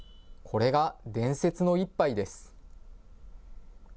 これが伝説の一杯です。